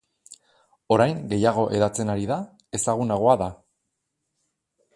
Orain gehiago hedatzen ari da, ezagunagoa da.